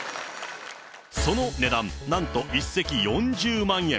その値段、なんと１席４０万円。